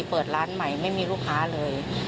เปิดร้านใหม่ไม่มีลูกค้าเลย